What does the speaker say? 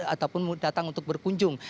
ataupun datang untuk berkunjung